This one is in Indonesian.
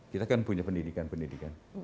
kita kan punya pendidikan pendidikan